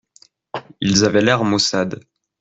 Ils avaient l’air maussade.